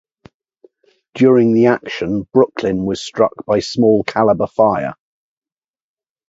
During the action, "Brooklyn" was struck by small caliber fire.